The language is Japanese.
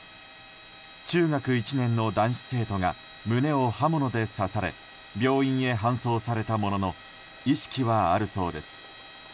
中学１年の男子生徒が胸を刃物で刺され病院に搬送されたものの意識はあるそうです。